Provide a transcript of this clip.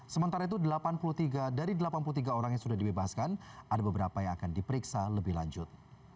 sementara itu delapan puluh tiga dari delapan puluh tiga orang yang sudah dibebaskan ada beberapa yang akan diperiksa lebih lanjut